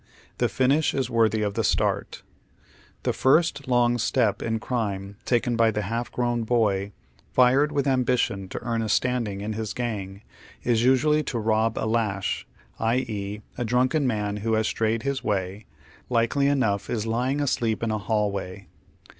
The finish is worthy of the stirt. The fii'st long step in crime taken by the half gi own boy, fired with ambition to earn a standing in his gang, is nsualiy to rob a " lush," i.e., a drunken man who has strayed his way, likely enough ie lying asleep in a hallway.